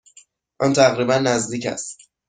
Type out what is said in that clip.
آن تقریبا نزدیک است.